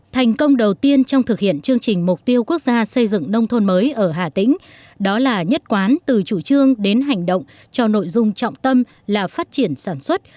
thành công đầu tiên trong thực hiện chương trình mục tiêu quốc gia xây dựng nông thôn mới ở hà tĩnh đó là nhất quán từ chủ trương đến hành động cho nội dung trọng tâm là phát triển sản xuất